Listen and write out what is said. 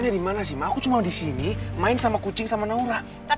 karena kita cinta sama arka